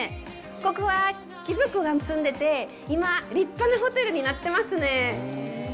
ここは貴族が住んでて、今、立派なホテルになってますね。